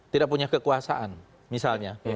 tidak punya kekuasaan misalnya